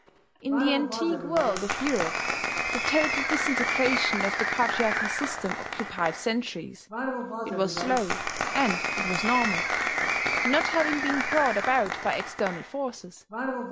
In the antique world of Europe, the total disintegration of the patriarchal system occupied centuries: it was slow, and it was normal not having been brought about by external forces.